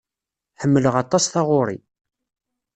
Ḥemmleɣ aṭas taɣuri.